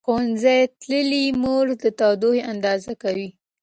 ښوونځې تللې مور د تودوخې اندازه کوي.